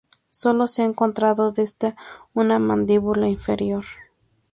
Solo se ha encontrado de este una mandíbula inferior.